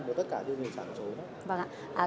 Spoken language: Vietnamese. của tất cả những người sản xuất